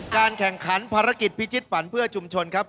การแข่งขันภารกิจพิจิตฝันเพื่อชุมชนครับ